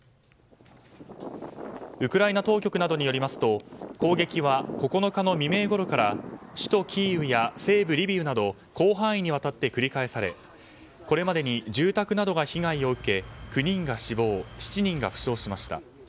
ウクライナ当局などによりますと攻撃は９日の未明ごろから首都キーウや西部リビウなど広範囲にわたって繰り返されこれまでに住宅などに被害があり９人が死亡、７人が負傷しました。